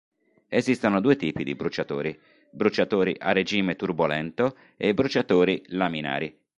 Esistono due tipi di bruciatori: bruciatori a "regime turbolento" e bruciatori "laminari".